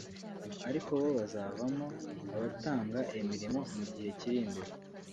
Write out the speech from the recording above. ari bo bazavamo abatanga imirimo mu gihe kiri imbere”